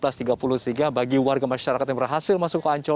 sehingga bagi warga masyarakat yang berhasil masuk ke ancol